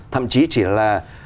thậm chí chỉ là